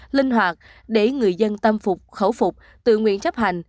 linh hoạt để người dân tâm phục khẩu phục tự nguyện chấp hành